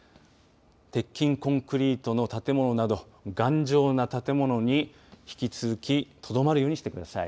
鉄筋コンクリートの建物等頑丈な建物に引き続きとどまるようにしてください。